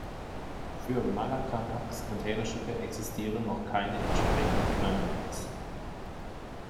Für Malaccamax-Containerschiffe existieren noch keine entsprechenden Terminals.